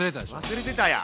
忘れてたや。